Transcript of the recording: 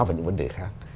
và những vấn đề khác